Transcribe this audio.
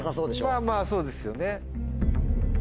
まぁまぁそうですよね。